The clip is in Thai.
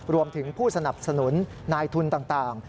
รวมถึงผู้สนับสนุนนายทุนต่าง